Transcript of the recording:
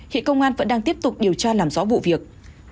hiện công an vẫn đang tiếp tục điều tra làm rõ vụ việc